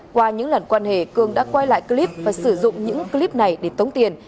qua những lần quan hệ cường đã quay lại clip và sử dụng những clip này để tống tiền